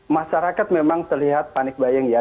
masyarakat memang terlihat panik bayang ya